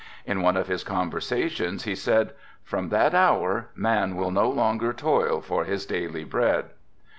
In one of his conversations he said, "From that hour man will no longer toil for his daily bread."